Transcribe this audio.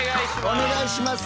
お願いします。